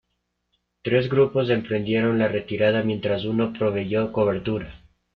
Tres grupos emprendieron la retirada, mientras uno proveyó cobertura.